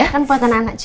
kan buat anak juga